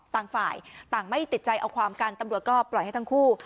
ต่างฝ่ายต่างไม่ติดใจเอาความกันตำรวจก็ปล่อยให้ทั้งคู่